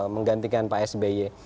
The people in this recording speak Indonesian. menggantikan pak sby